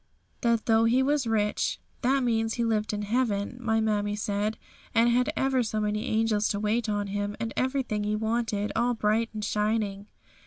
"That though He was rich, " that means He lived in heaven, my mammie said, and had ever so many angels to wait on Him, and everything He wanted, all bright and shining.